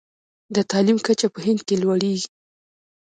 د تعلیم کچه په هند کې لوړیږي.